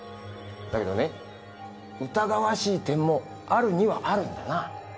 だけどね疑わしい点もあるにはあるんだな。